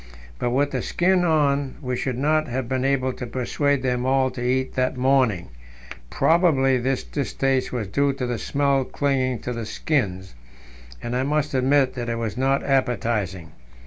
But with the skin on we should not have been able to persuade them all to eat that morning; probably this distaste was due to the smell clinging to the skins, and I must admit that it was not appetizing.